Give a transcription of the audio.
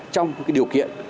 trong cái điều kiện